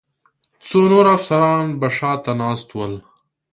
څو نور افسران به شا ته ناست ول.